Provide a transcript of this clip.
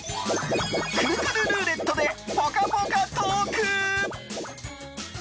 くるくるルーレットでぽかぽかトーク！